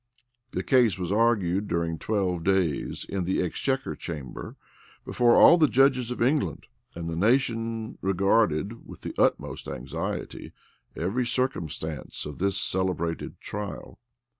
The case was argued during twelve days, in the exchequer chamber, before all the judges of England; and the nation regarded, with the utmost anxiety, every circumstance of this celebrated trial.